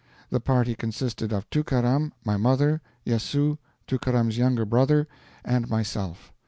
The party consisted of Tookaram, my mother, Yessoo, Tookaram's younger brother, and myself.